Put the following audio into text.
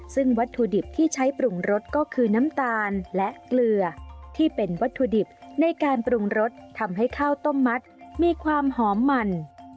ซึ่งวัตถุดิบที่ใช้ปรุงรสก็คือน้ำตาลและเกลือที่เป็นวัตถุดิบในการปรุงรสทำให้ข้าวต้มมัดมีความหอมมัน